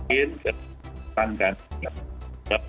kita harus menanggalkan